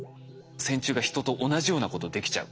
線虫がヒトと同じようなことできちゃう。